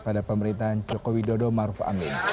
pada pemerintahan cokowidodo maruf amin